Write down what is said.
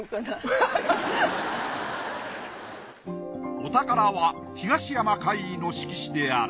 お宝は東山魁夷の色紙である。